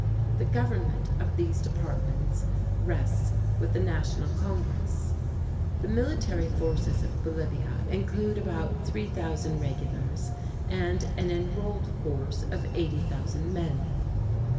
The government of these departments rests with the national congress. The military forces of Bolivia include about 3,000 regulars and an enrolled force of 80,000 men.